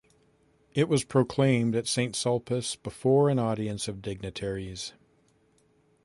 It was proclaimed at Saint Sulpice before an audience of dignitaries.